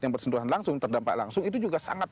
yang bersentuhan langsung terdampak langsung itu juga sangat